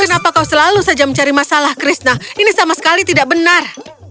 kenapa kau selalu saja mencari masalah krishna ini sama sekali tidak benar